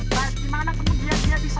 di mana kemudian dia bisa